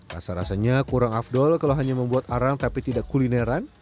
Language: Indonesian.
rasa rasanya kurang afdol kalau hanya membuat arang tapi tidak kulineran